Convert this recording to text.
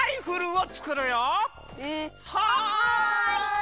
はい！